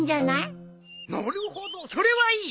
なるほどそれはいい！